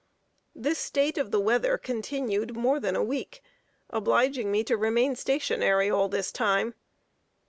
This state of the weather continued more than a week; obliging me to remain stationary all this time.